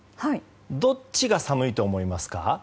どっちが寒いと思いますか？